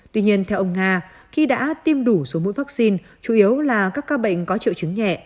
tuy nhiên theo ông nga khi đã tiêm đủ số mũi vaccine chủ yếu là các ca bệnh có triệu chứng nhẹ